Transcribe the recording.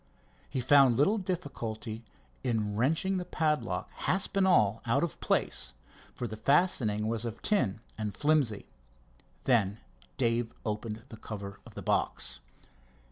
He found little difficulty in wrenching the padlock, hasp and all, out of place, for the fastening was of tin, and flimsy. Then Dave opened the cover of the box.